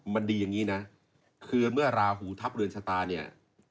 มันดีอย่างนี้นะคือเมื่อราหูทัพเรือนชะตาเนี่ย